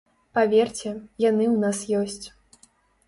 Паверце, яны ў нас ёсць.